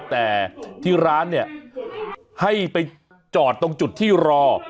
แต่ที่ร้านเนี่ยให้ไปจอดตรงจุดที่รอ